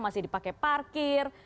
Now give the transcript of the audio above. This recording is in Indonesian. masih dipakai parkir